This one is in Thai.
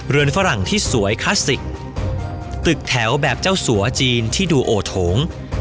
ฝรั่งที่สวยคลาสสิกตึกแถวแบบเจ้าสัวจีนที่ดูโอโถง